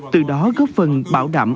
từ đó góp phần bảo đảm